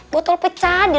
bocah ngapasih ya